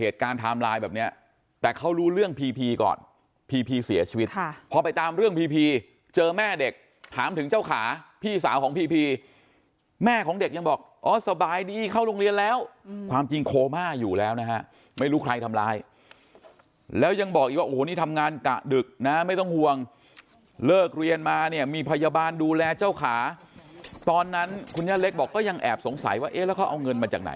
ทำร้ายแบบเนี่ยแต่เขารู้เรื่องพีพีก่อนพีพีเสียชีวิตพอไปตามเรื่องพีพีเจอแม่เด็กถามถึงเจ้าขาพี่สาวของพีพีแม่ของเด็กยังบอกสบายดีเข้าโรงเรียนแล้วความจริงโคม่าอยู่แล้วนะฮะไม่รู้ใครทำร้ายแล้วยังบอกว่านี่ทำงานกะดึกนะไม่ต้องห่วงเลิกเรียนมาเนี่ยมีพยาบาลดูแลเจ้าขาตอนนั้นคุณยะเล็กบอกก็ยัง